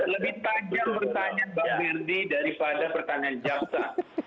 lebih tajam pertanyaan bang verdi daripada pertanyaan jaxa